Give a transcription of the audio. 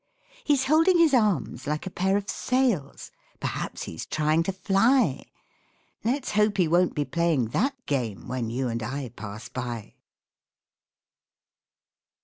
He's holding his arms like a pair of sails; Perhaps he's trying to fly. Let's hope he won't be playing that game When you and I pass by.